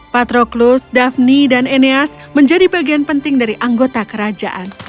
patroklos daphne dan aeneas menjadi bagian penting dari anggota kerajaan